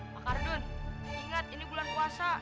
pak ardun inget ini bulan puasa